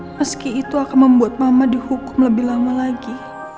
meski itu akan membuat mama dihukum lebih lama lagi